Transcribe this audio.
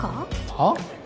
はっ？